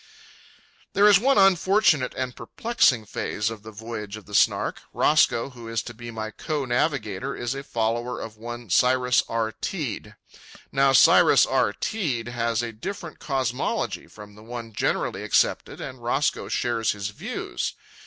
There is one unfortunate and perplexing phase of the voyage of the Snark. Roscoe, who is to be my co navigator, is a follower of one, Cyrus R. Teed. Now Cyrus R. Teed has a different cosmology from the one generally accepted, and Roscoe shares his views.